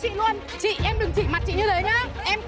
thật không dễ dàng chèn ép một cô gái am hiểu lực